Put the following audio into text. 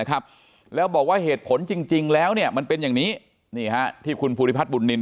ใช้เผาศพของวัดนะครับแล้วบอกว่าเหตุผลจริงแล้วเนี่ยมันเป็นอย่างนี้ที่คุณภูริพัฒน์บุญนินทร์